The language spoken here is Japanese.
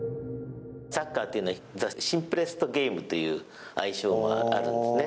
サッカーというのはザ・シンプレストゲームという愛称があるんですね。